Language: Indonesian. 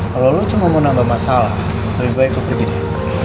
kalau lu cuma mau nambah masalah lebih baik gue pergi deh